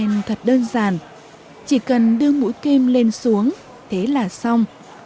nghề theo gen thật đơn giản chỉ cần đưa mũi kem lên xuống thế là xong